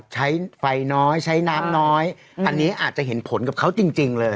ใช้ไฟน้อยใช้น้ำน้อยอันนี้อาจจะเห็นผลกับเขาจริงเลย